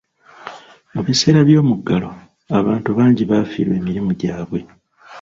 Mu biseera by'omuggalo, abantu bangi baafiirwa emirimu gyabwe.